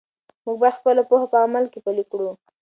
موږ باید خپله پوهه په عمل کې پلی کړو.